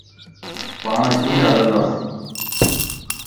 پاڻان ڪيئن ھلنداسين؟